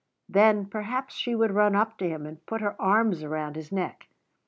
Then, perhaps, she would run up to him, and put her arms around his neck.